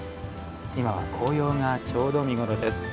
今は紅葉がちょうど見頃です。